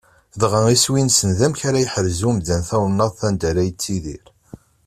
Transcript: Dɣa iswi-nsen d amek ara yeḥrez umdan tawennaḍt anda yettidir.